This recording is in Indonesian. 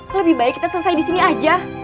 lebih baik kita selesai di sini aja